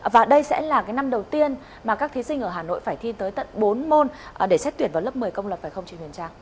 và đây sẽ là cái năm đầu tiên mà các thí sinh ở hà nội phải thi tới tận bốn môn để xét tuyển vào lớp một mươi công lập phải không trình trang